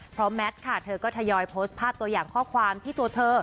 เพราะแมทค่ะเธอก็ทยอยโพสต์ภาพตัวอย่างข้อความที่ตัวเธอ